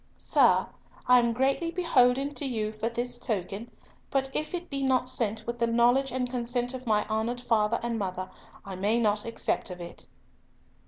"Sir, I am greatly beholden to you for this token, but if it be not sent with the knowledge and consent of my honoured father and mother I may not accept of it."